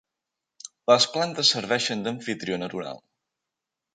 Les plantes serveixen d'amfitrió natural.